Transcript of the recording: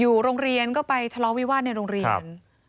อยู่โรงเรียนก็ไปทะเลาะวิวาสในโรงเรียน